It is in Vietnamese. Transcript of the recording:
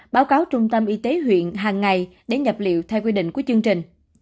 báo cáo trung tâm y tế huyện hàng ngày để nhập liệu theo quy định của chương trình